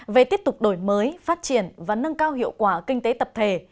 về tiếp tục đổi mới phát triển và nâng cao hiệu quả kinh tế tập thể